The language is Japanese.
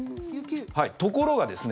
ところがですね